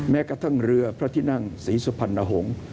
แม้กระทั่งเรือพระที่นั่งศรีสุพรรณหงษ์